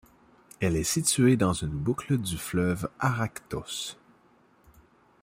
Elle est située dans une boucle du fleuve Arachthos.